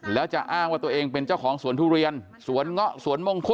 แล้วจะอ้างว่าตัวเองเป็นเจ้าของสวนทุเรียนสวนเงาะสวนมงคุ